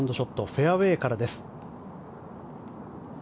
フェアウェーからです。